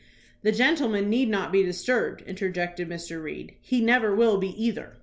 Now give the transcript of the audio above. "The gentleman need not be disturbed," in terjected Mr. Reed, "he never will be either."